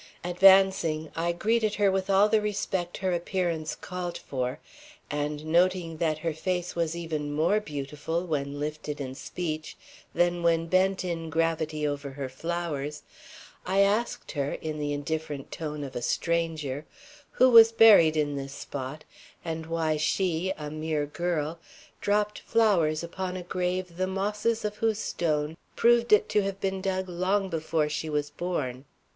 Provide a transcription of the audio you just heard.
Advancing, I greeted her with all the respect her appearance called for, and noting that her face was even more beautiful when lifted in speech than when bent in gravity over her flowers, I asked her, in the indifferent tone of a stranger, who was buried in this spot, and why she, a mere girl, dropped flowers upon a grave the mosses of whose stone proved it to have been dug long before she was born.